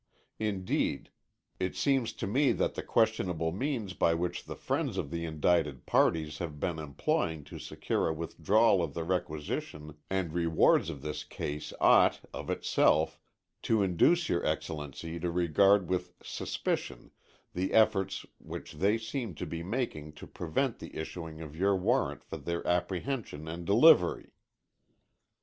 Indeed, it seems to me that the questionable means which the friends of the indicted parties have been employing to secure a withdrawal of the requisition and rewards of this case ought, of itself, to induce your Excellency to regard with suspicion the efforts which they seem to be making to prevent the issuing of your warrant for their apprehension and delivery.